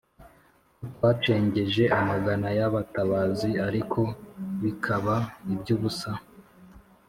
ko twacengeje amagana y’abatabazi ariko bikaba iby’ubusa,